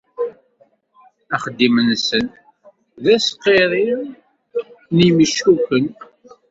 Axeddim-nsen d asqirri n yimeckuken.